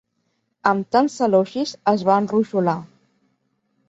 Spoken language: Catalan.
Amb tants elogis, es va enrojolar.